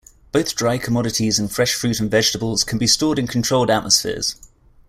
Both dry commodities and fresh fruit and vegetables can be stored in controlled atmospheres.